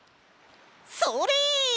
それ！